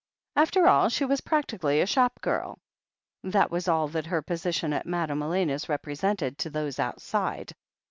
After all, she was practically a shop girl — ^that was all that her position at Madame Elena's represented, to those outside.